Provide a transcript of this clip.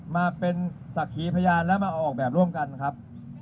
มาเป็นศักดิ์ขีพยานแล้วมาออกแบบร่วมกันครับ